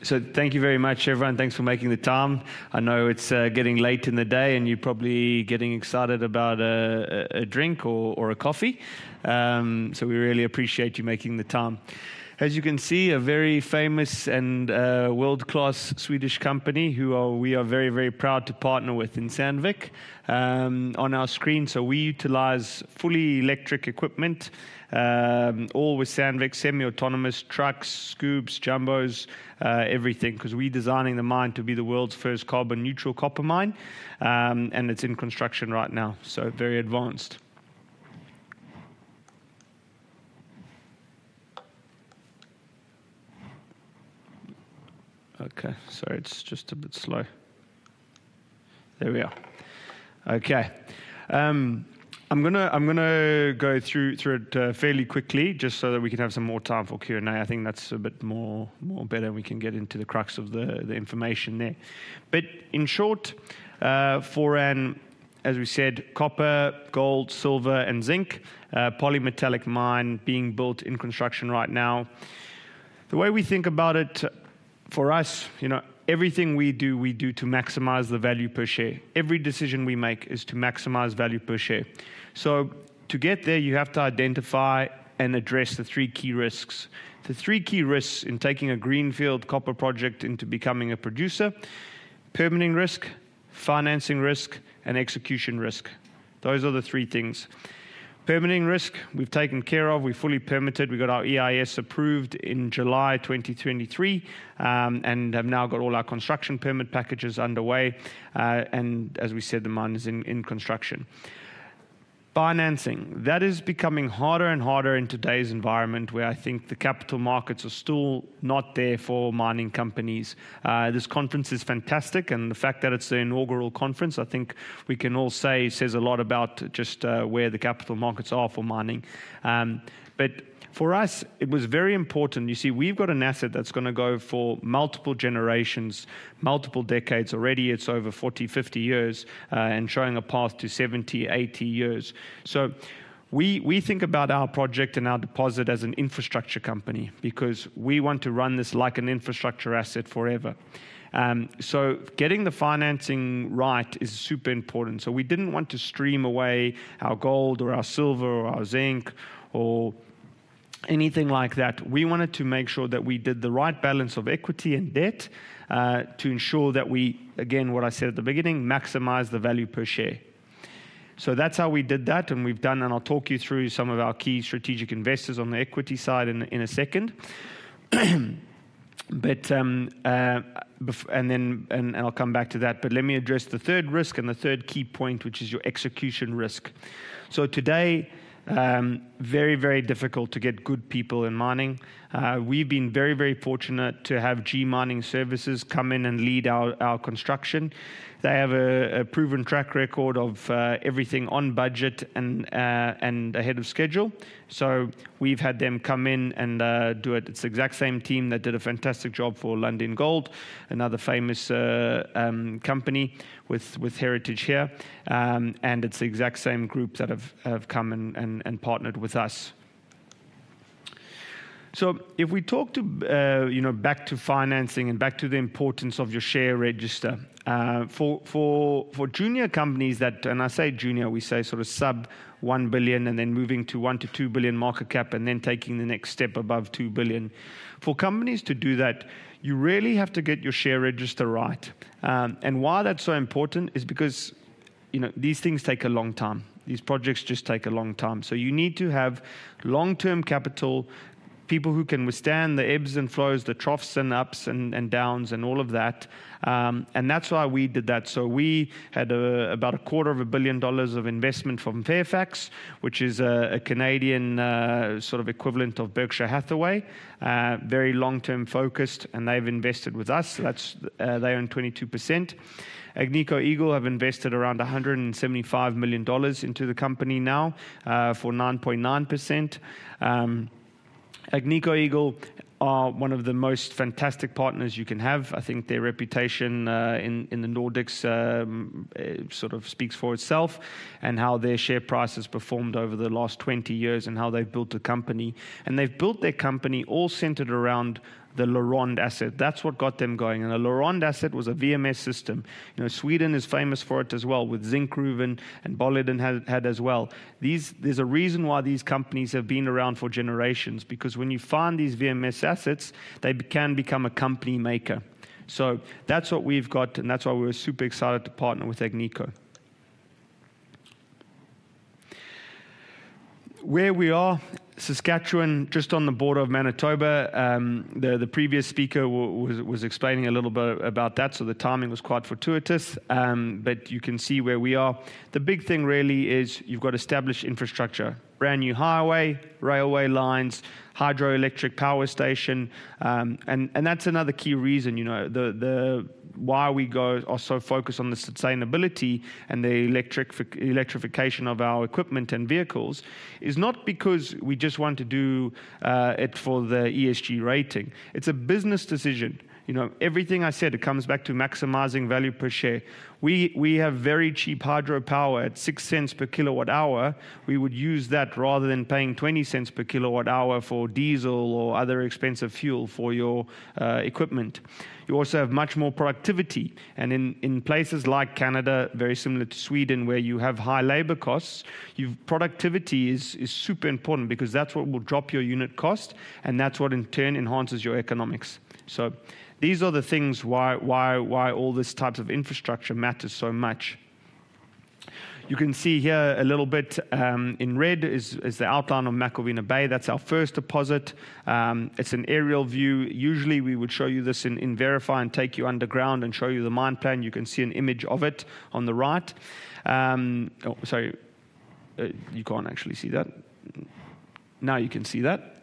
Thank you very much, everyone. Thanks for making the time. I know it's getting late in the day, and you're probably getting excited about a drink or a coffee. We really appreciate you making the time. As you can see, a very famous and world-class Swedish company who we are very, very proud to partner with in Sandvik on our screen. We utilize fully electric equipment, all with Sandvik semi-autonomous trucks, scoops, jumbos, everything, because we're designing the mine to be the world's first carbon-neutral copper mine. It's in construction right now, so very advanced. Okay, sorry, it's just a bit slow. There we are. Okay, I'm going to go through it fairly quickly, just so that we can have some more time for Q&A. I think that's a bit more better. We can get into the crux of the information there. But in short, Foran, as we said, copper, gold, silver, and zinc, a polymetallic mine being built in construction right now. The way we think about it, for us, everything we do, we do to maximize the value per share. Every decision we make is to maximize value per share. So to get there, you have to identify and address the three key risks. The three key risks in taking a greenfield copper project into becoming a producer: permitting risk, financing risk, and execution risk. Those are the three things. Permitting risk, we've taken care of. We fully permitted. We got our EIS approved in July 2023 and have now got all our construction permit packages underway. And as we said, the mine is in construction. Financing, that is becoming harder and harder in today's environment where I think the capital markets are still not there for mining companies. This conference is fantastic, and the fact that it's the inaugural conference, I think we can all say, says a lot about just where the capital markets are for mining, but for us, it was very important. You see, we've got an asset that's going to go for multiple generations, multiple decades already. It's over 40-50 years and showing a path to 70-80 years, so we think about our project and our deposit as an infrastructure company because we want to run this like an infrastructure asset forever, so getting the financing right is super important, so we didn't want to stream away our gold or our silver or our zinc or anything like that. We wanted to make sure that we did the right balance of equity and debt to ensure that we, again, what I said at the beginning, maximize the value per share. So that's how we did that. And we've done, and I'll talk you through some of our key strategic investors on the equity side in a second. And then I'll come back to that. But let me address the third risk and the third key point, which is your execution risk. So today, very, very difficult to get good people in mining. We've been very, very fortunate to have G Mining Services come in and lead our construction. They have a proven track record of everything on budget and ahead of schedule. So we've had them come in and do it. It's the exact same team that did a fantastic job for Lundin Gold, another famous company with heritage here. And it's the exact same group that have come and partnered with us. So if we talk back to financing and back to the importance of your share register, for junior companies that, and I say junior, we say sort of sub one billion and then moving to one to two billion market cap and then taking the next step above two billion. For companies to do that, you really have to get your share register right. And why that's so important is because these things take a long time. These projects just take a long time. So you need to have long-term capital, people who can withstand the ebbs and flows, the troughs and ups and downs and all of that. And that's why we did that. So we had about 250 million dollars of investment from Fairfax, which is a Canadian sort of equivalent of Berkshire Hathaway, very long-term focused. And they've invested with us. They own 22%. Agnico Eagle have invested around $175 million into the company now for 9.9%. Agnico Eagle are one of the most fantastic partners you can have. I think their reputation in the Nordics sort of speaks for itself and how their share price has performed over the last 20 years and how they've built a company, and they've built their company all centered around the LaRonde asset. That's what got them going, and the LaRonde asset was a VMS system. Sweden is famous for it as well, with Zinkgruvan and Boliden had as well. There's a reason why these companies have been around for generations, because when you find these VMS assets, they can become a company maker, so that's what we've got, and that's why we were super excited to partner with Agnico. Where we are, Saskatchewan, just on the border of Manitoba. The previous speaker was explaining a little bit about that. So the timing was quite fortuitous. But you can see where we are. The big thing really is you've got established infrastructure: brand new highway, railway lines, hydroelectric power station. And that's another key reason why we are so focused on the sustainability and the electrification of our equipment and vehicles, is not because we just want to do it for the ESG rating. It's a business decision. Everything I said, it comes back to maximizing value per share. We have very cheap hydro power at 0.06 per kWh. We would use that rather than paying 0.20 per kWh for diesel or other expensive fuel for your equipment. You also have much more productivity. And in places like Canada, very similar to Sweden, where you have high labor costs, your productivity is super important because that's what will drop your unit cost. And that's what in turn enhances your economics. So these are the things why all this type of infrastructure matters so much. You can see here a little bit in red is the outline of McIlvenna Bay. That's our first deposit. It's an aerial view. Usually, we would show you this in VRIFY and take you underground and show you the mine plan. You can see an image of it on the right. Oh, sorry, you can't actually see that. Now you can see that.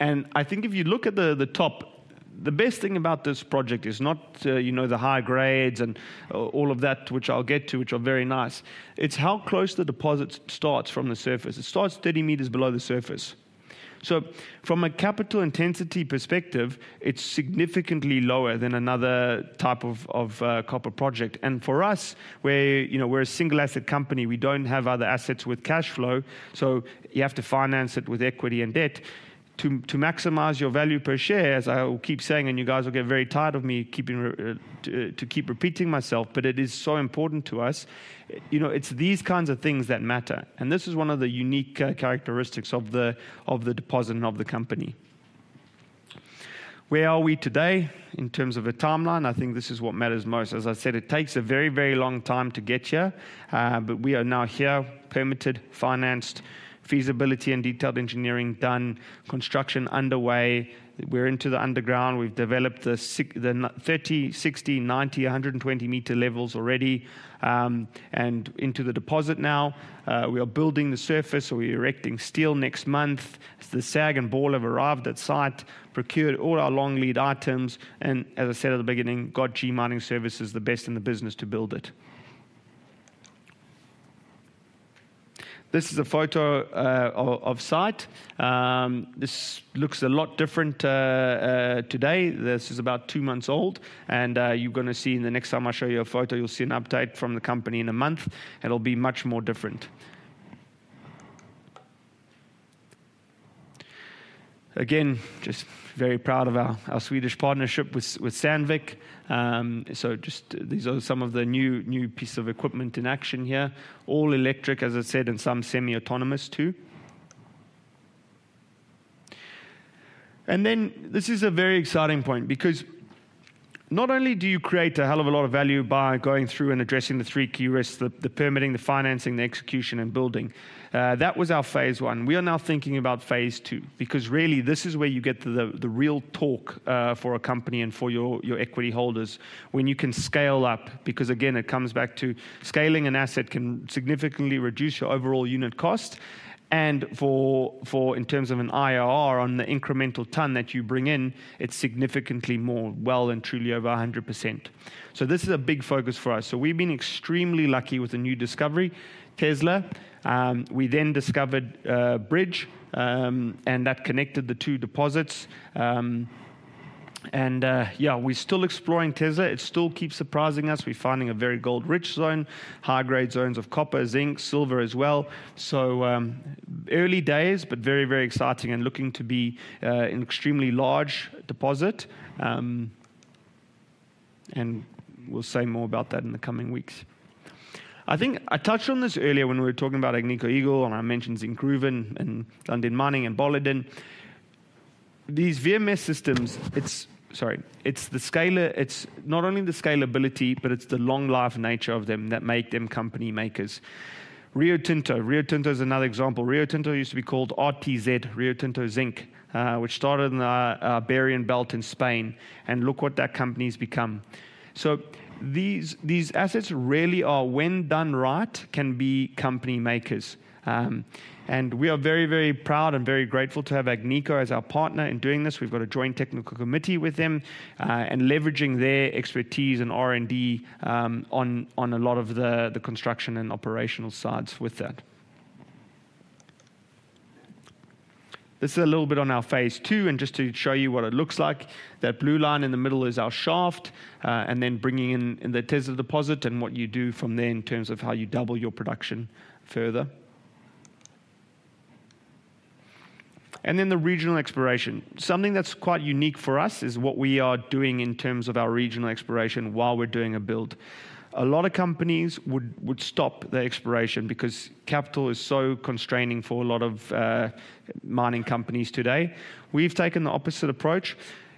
And I think if you look at the top, the best thing about this project is not the high grades and all of that, which I'll get to, which are very nice. It's how close the deposit starts from the surface. It starts 30 m below the surface. So from a capital intensity perspective, it's significantly lower than another type of copper project. And for us, we're a single asset company. We don't have other assets with cash flow. So you have to finance it with equity and debt to maximize your value per share, as I will keep saying. And you guys will get very tired of me to keep repeating myself, but it is so important to us. It's these kinds of things that matter. And this is one of the unique characteristics of the deposit and of the company. Where are we today in terms of a timeline? I think this is what matters most. As I said, it takes a very, very long time to get here. But we are now here, permitted, financed, feasibility and detailed engineering done, construction underway. We're into the underground. We've developed the 30 m, 60 m, 90 m, 120 m levels already and into the deposit now. We are building the surface. We're erecting steel next month. The SAG and ball mills have arrived at site, procured all our long lead items. And as I said at the beginning, God, G Mining Services is the best in the business to build it. This is a photo of site. This looks a lot different today. This is about two months old. And you're going to see in the next time I show you a photo, you'll see an update from the company in a month. It'll be much more different. Again, just very proud of our Swedish partnership with Sandvik. Just these are some of the new pieces of equipment in action here, all electric, as I said, and some semi-autonomous too. Then this is a very exciting point because not only do you create a hell of a lot of value by going through and addressing the three key risks: the permitting, the financing, the execution, and building. That was our Phase I. We are now thinking about Phase II because really this is where you get the real talk for a company and for your equity holders when you can scale up because, again, it comes back to scaling an asset can significantly reduce your overall unit cost. In terms of an IRR on the incremental ton that you bring in, it's significantly more well and truly over 100%. This is a big focus for us. We've been extremely lucky with a new discovery, Tesla. We then discovered Bridge, and that connected the two deposits. Yeah, we're still exploring Tesla. It still keeps surprising us. We're finding a very gold-rich zone, high-grade zones of copper, zinc, silver as well. Early days, but very, very exciting and looking to be an extremely large deposit. We'll say more about that in the coming weeks. I think I touched on this earlier when we were talking about Agnico Eagle and I mentioned Zinkgruvan and Lundin Mining and Boliden. These VMS systems. Sorry, it's not only the scalability, but it's the long-life nature of them that make them company makers. Rio Tinto. Rio Tinto is another example. Rio Tinto used to be called RTZ, Rio Tinto Zinc, which started in the Iberian Pyrite Belt in Spain. Look what that company has become. So these assets really are, when done right, company makers. We are very, very proud and very grateful to have Agnico as our partner in doing this. We've got a joint technical committee with them and leveraging their expertise and R&D on a lot of the construction and operational sides with that. This is a little bit on our phase two. And just to show you what it looks like, that blue line in the middle is our shaft and then bringing in the Tesla deposit and what you do from there in terms of how you double your production further. And then the regional exploration, something that's quite unique for us is what we are doing in terms of our regional exploration while we're doing a build. A lot of companies would stop their exploration because capital is so constraining for a lot of mining companies today. We've taken the opposite approach.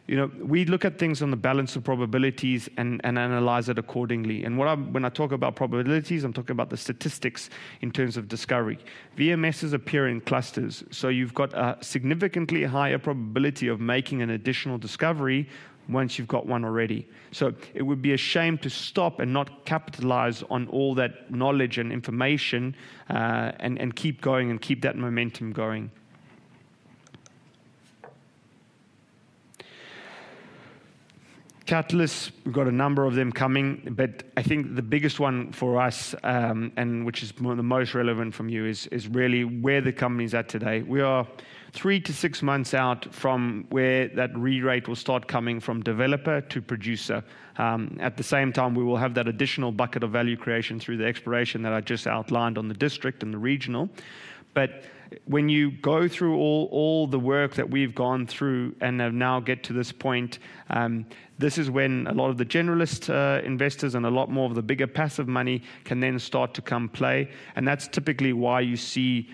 We look at things on the balance of probabilities and analyze it accordingly. And when I talk about probabilities, I'm talking about the statistics in terms of discovery. VMSs appear in clusters. So you've got a significantly higher probability of making an additional discovery once you've got one already. So it would be a shame to stop and not capitalize on all that knowledge and information and keep going and keep that momentum going. Catalysts, we've got a number of them coming. But I think the biggest one for us, and which is the most relevant from you, is really where the companies are today. We are three to six months out from where that re-rate will start coming from developer to producer. At the same time, we will have that additional bucket of value creation through the exploration that I just outlined on the district and the regional. But when you go through all the work that we've gone through and now get to this point, this is when a lot of the generalist investors and a lot more of the bigger passive money can then start to come into play. And that's typically why you see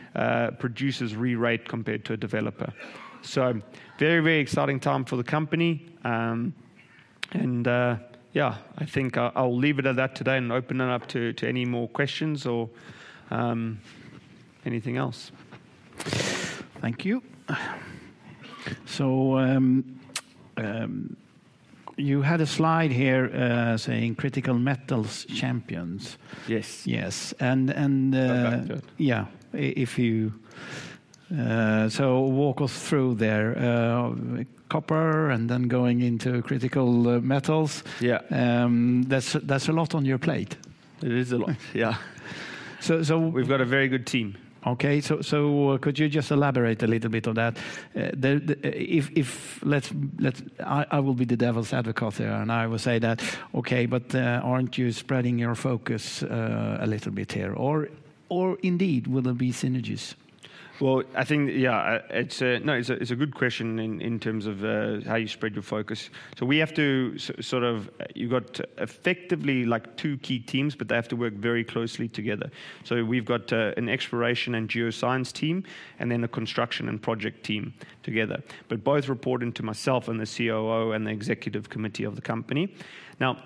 producers re-rate compared to a developer. So very, very exciting time for the company. And yeah, I think I'll leave it at that today and open it up to any more questions or anything else. Thank you. So you had a slide here saying critical metals champions. Yes. Yes. And. I'm back to it. Yeah. So walk us through there. Copper and then going into critical metals. Yeah. That's a lot on your plate. It is a lot. Yeah. So. We've got a very good team. Okay, so could you just elaborate a little bit on that? I will be the devil's advocate here and I will say that, okay, but aren't you spreading your focus a little bit here, or indeed, will there be synergies? Well, I think, yeah, it's a good question in terms of how you spread your focus. So we have to sort of, you've got effectively like two key teams, but they have to work very closely together. So we've got an exploration and geoscience team and then a construction and project team together, but both reporting to myself and the COO and the executive committee of the company. Now,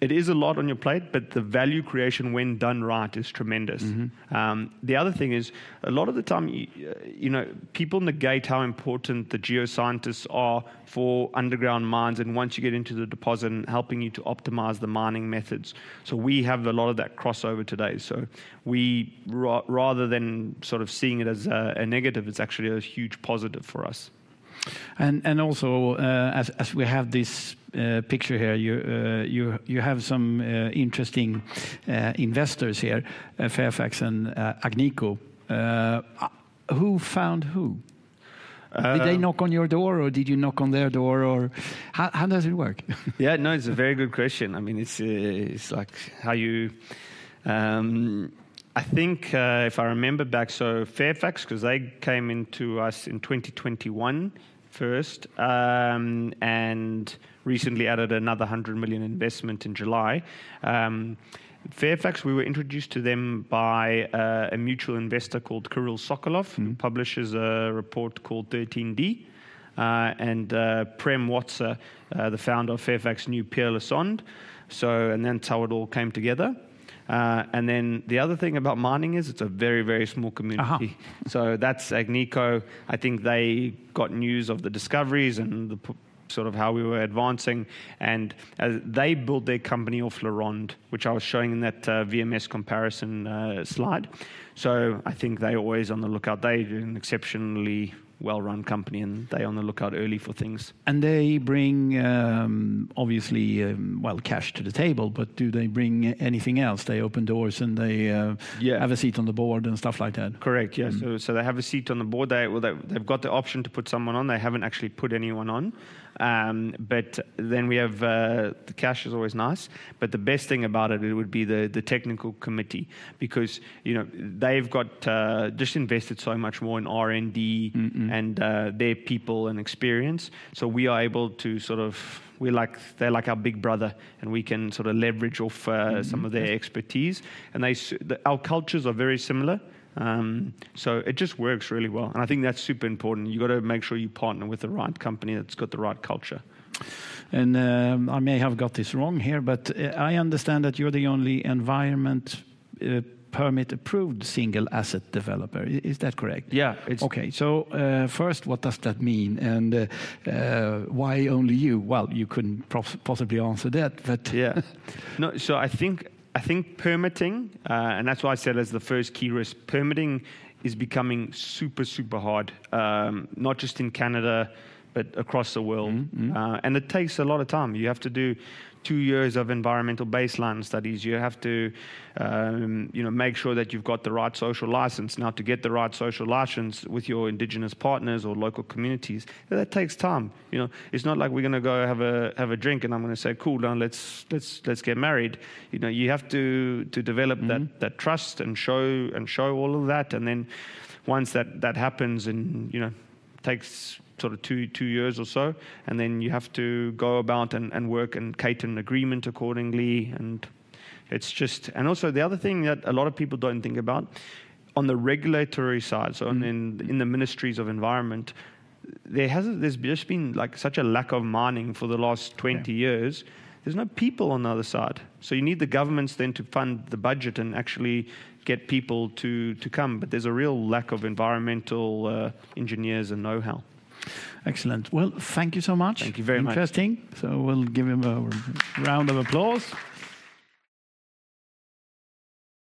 it is a lot on your plate, but the value creation when done right is tremendous. The other thing is a lot of the time, people negate how important the geoscientists are for underground mines and once you get into the deposit and helping you to optimize the mining methods. So we have a lot of that crossover today. So rather than sort of seeing it as a negative, it's actually a huge positive for us. And also, as we have this picture here, you have some interesting investors here, Fairfax and Agnico. Who found who? Did they knock on your door or did you knock on their door? Or how does it work? Yeah, no, it's a very good question. I mean, it's like how you, I think if I remember back, so Fairfax, because they came into us in 2021 first and recently added another 100 million investment in July. Fairfax, we were introduced to them by a mutual investor called Kirill Sokoloff who publishes a report called 13D and Prem Watsa, the founder of Fairfax, Pierre Lassonde. And then so it all came together. And then the other thing about mining is it's a very, very small community. So that's Agnico. I think they got news of the discoveries and sort of how we were advancing. And they built their company off LaRonde, which I was showing in that VMS comparison slide. So I think they're always on the lookout. They're an exceptionally well-run company and they're on the lookout early for things. They bring, obviously, well, cash to the table, but do they bring anything else? They open doors and they have a seat on the board and stuff like that. Correct. Yeah. So they have a seat on the board. They've got the option to put someone on. They haven't actually put anyone on. But then we have cash, is always nice. But the best thing about it would be the technical committee because they've just invested so much more in R&D and their people and experience. So we are able to sort of, they're like our big brother and we can sort of leverage off some of their expertise. And our cultures are very similar. So it just works really well. And I think that's super important. You've got to make sure you partner with the right company that's got the right culture. I may have got this wrong here, but I understand that you're the only environmental permit approved single asset developer. Is that correct? Yeah. Okay. So first, what does that mean? And why only you? Well, you couldn't possibly answer that, but. Yeah. So I think permitting, and that's why I said as the first key risk, permitting is becoming super, super hard, not just in Canada, but across the world. And it takes a lot of time. You have to do two years of environmental baseline studies. You have to make sure that you've got the right social license. Now, to get the right social license with your indigenous partners or local communities, that takes time. It's not like we're going to go have a drink and I'm going to say, "Cool, now let's get married." You have to develop that trust and show all of that. And then once that happens and takes sort of two years or so, and then you have to go about and work and cater an agreement accordingly. And also, the other thing that a lot of people don't think about on the regulatory side, so in the ministries of environment, there's just been such a lack of mining for the last 20 years. There's no people on the other side. So you need the governments then to fund the budget and actually get people to come. But there's a real lack of environmental engineers and know-how. Excellent. Well, thank you so much. Thank you very much. Fantastic. So we'll give him a round of applause.